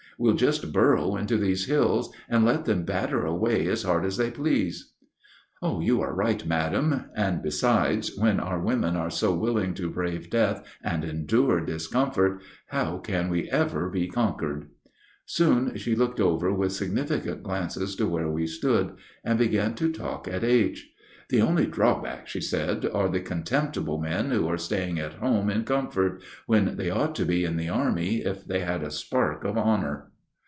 We'll just burrow into these hills and let them batter away as hard as they please." "You are right, madam; and besides, when our women are so willing to brave death and endure discomfort, how can we ever be conquered?" Soon she looked over with significant glances to where we stood, and began to talk at H. "The only drawback," she said, "are the contemptible men who are staying at home in comfort, when they ought to be in the army if they had a spark of honor."